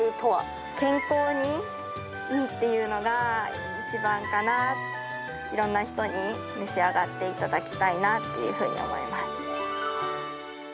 健康にいいっていうのが一番かな、いろんな人に召し上がっていただきたいなっていうふうに思います。